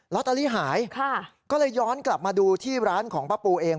อตเตอรี่หายก็เลยย้อนกลับมาดูที่ร้านของป้าปูเอง